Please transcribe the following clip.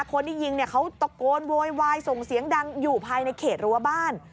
คนที่ยิงเนี่ยเขาตะโกนโวยวายส่งเสียงดังอยู่ภายในเขตรั้วบ้าน